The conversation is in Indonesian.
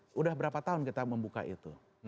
sudah berapa tahun kita membuka itu